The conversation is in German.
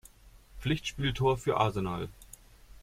Pflichtspieltor für Arsenal.